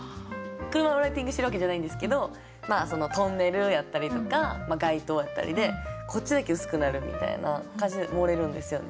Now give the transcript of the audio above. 車のライティングしてるわけじゃないんですけどトンネルやったりとか街灯やったりでこっちだけ薄くなるみたいな感じで盛れるんですよ。